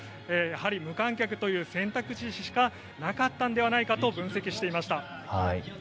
無観客という選択肢しかなかったんではないかと分析していました。